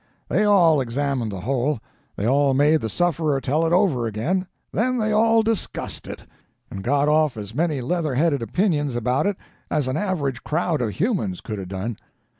They all examined the hole, they all made the sufferer tell it over again, then they all discussed it, and got off as many leather headed opinions about it as an average crowd of humans could have done.